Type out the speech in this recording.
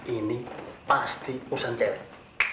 ini pasti urusan cewek